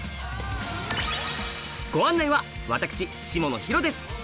ご案内は私下野紘です！